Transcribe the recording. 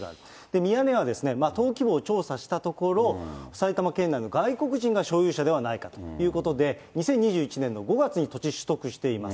ミヤネ屋は、登記簿を調査したところ、埼玉県内の外国人が所有者ではないかということで、２０２１年の５月に土地取得しています。